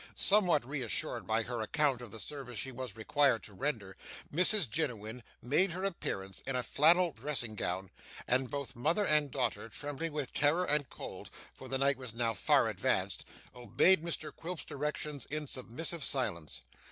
Somewhat reassured by her account of the service she was required to render, Mrs Jiniwin made her appearance in a flannel dressing gown; and both mother and daughter, trembling with terror and cold for the night was now far advanced obeyed Mr Quilp's directions in submissive silence.